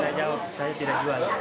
saya jawab saya tidak jual